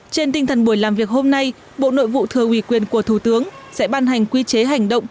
trên tinh thần buổi làm việc hôm nay bộ nội vụ thừa ủy quyền của thủ tướng sẽ ban hành quy chế hành động